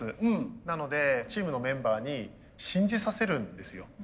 なのでチームのメンバーに信じさせるんですよ。